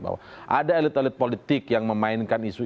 bahwa ada elit elit politik yang memainkan isu